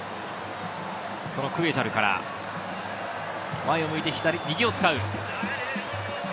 そのクエジャルから前を向いて、右を使う。